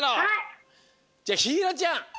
じゃあひいろちゃん！